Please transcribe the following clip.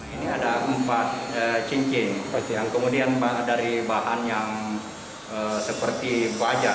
ini ada empat cincin yang kemudian dari bahan yang seperti baja